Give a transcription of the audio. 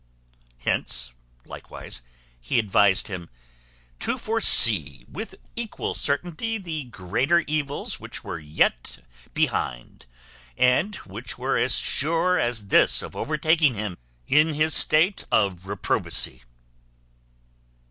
Hence likewise he advised him, "to foresee, with equal certainty, the greater evils which were yet behind, and which were as sure as this of overtaking him in his state of reprobacy.